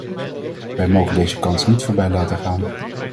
Wij mogen deze kans niet voorbij laten gaan.